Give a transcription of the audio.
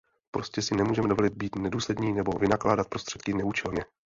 Prostě si nemůžeme dovolit být nedůslední nebo vynakládat prostředky neúčelně.